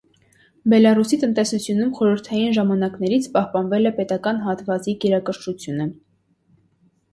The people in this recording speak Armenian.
Բելառուսի տնտեսությունում խորհրդային ժամանակներից պահպանվել է պետական հատվածի գերակշռությունը։